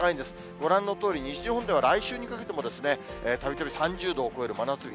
ご覧のとおり、西日本では来週にかけてもですね、たびたび３０度を超える真夏日。